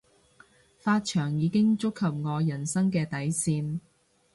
髮長已經觸及我人生嘅底線